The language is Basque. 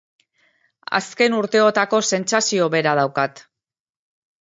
Azken urteotako sentsazio bera daukat.